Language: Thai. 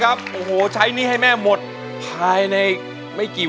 ยังไม่มีให้รักยังไม่มี